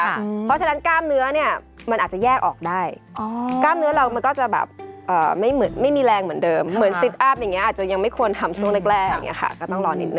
เพราะฉะนั้นกล้ามเนื้อเนี่ยมันอาจจะแยกออกได้กล้ามเนื้อเรามันก็จะแบบไม่มีแรงเหมือนเดิมเหมือนซิตอัพอย่างนี้อาจจะยังไม่ควรทำช่วงแรกอย่างนี้ค่ะก็ต้องรอนิดน